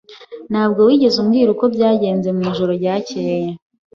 Ntabwo wigeze umbwira uko byagenze mwijoro ryakeye.